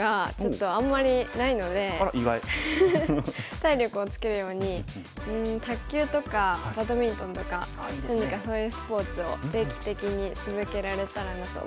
体力をつけるようにうん卓球とかバドミントンとか何かそういうスポーツを定期的に続けられたらなと思います。